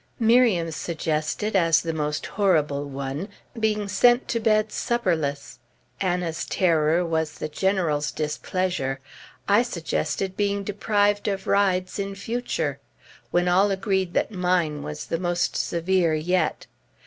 Miriam suggested, as the most horrible one, being sent to bed supperless; Anna's terror was the General's displeasure; I suggested being deprived of rides in future; when all agreed that mine was the most severe yet.